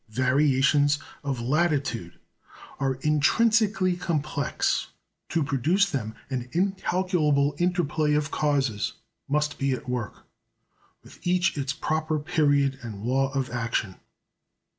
Variations of latitude are intrinsically complex. To produce them, an incalculable interplay of causes must be at work, each with its proper period and law of action.